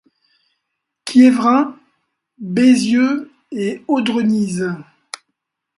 Quiévrain, Baisieux et Audregnies.